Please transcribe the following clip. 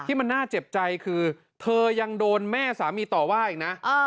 มันน่าเจ็บใจคือเธอยังโดนแม่สามีต่อว่าอีกนะ